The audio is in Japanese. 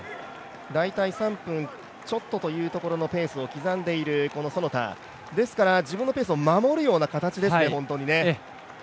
大体３分ちょっとというところのペースを刻んでいる其田ですから自分のペースを守るような形ですね。